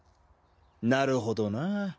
なるほどなぁ。